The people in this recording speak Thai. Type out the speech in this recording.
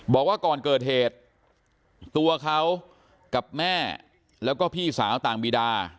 บอกว่าก่อนเกิดเหตุตัวเขากับแม่แล้วก็พี่สาวต่างบีดา